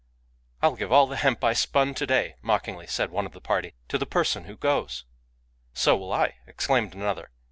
... "Til give all the hemp I spun to day," mockingly said one of the party, " to the person who goes !" So will I," exclaimed another.